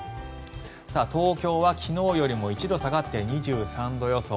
東京は昨日よりも１度下がって２３度予想。